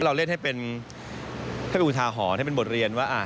เราเล่นให้เป็นอุทาหอให้เป็นบทเรียนว่า